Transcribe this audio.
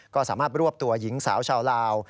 ก็สามารถรวบตัวหญิงสาวชาวลาว